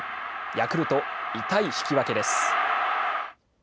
ヤクルト、痛い引き分けです。